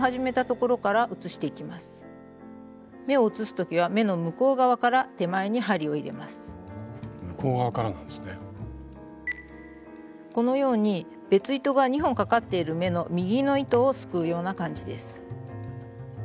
このように別糸が２本かかっている目の右の糸をすくうような感じです。